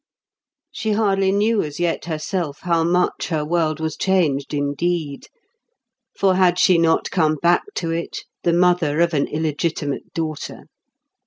She hardly knew as yet herself how much her world was changed indeed; for had she not come back to it, the mother of an illegitimate daughter?